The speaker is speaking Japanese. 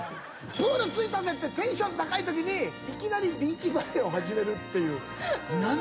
プール着いたぜってテンション高いときにいきなりビーチバレーを始める。